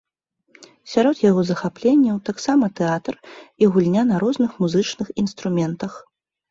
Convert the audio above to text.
Сярод яго захапленняў таксама тэатр і гульня на розных музычных інструментах.